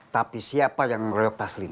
tapi siapa yang royok taslim